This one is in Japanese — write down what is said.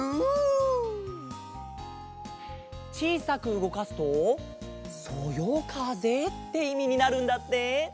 ちいさくうごかすと「そよかぜ」っていみになるんだって。